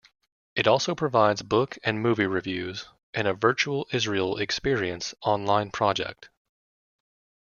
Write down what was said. It also provides book and movie reviews and a "Virtual Israel Experience" online project.